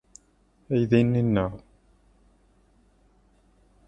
Aydi-nni nneɣ.